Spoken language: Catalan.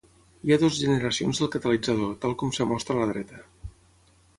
Hi ha dues generacions del catalitzador, tal com es mostra a la dreta.